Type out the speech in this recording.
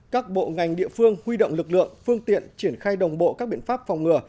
các bộ ngành địa phương huy động lực lượng phương tiện triển khai đồng bộ các biện pháp phòng ngừa